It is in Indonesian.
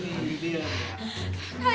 kalian siapa sih sebenarnya